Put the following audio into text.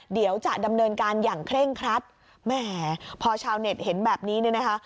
เดี๋ยวจะดำเนินการอย่างเคร่งครัดแหมพอชาวเน็ตเห็นแบบนี้เนี่ยนะคะ